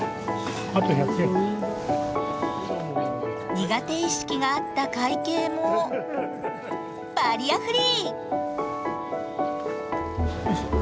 苦手意識があった会計もバリアフリー。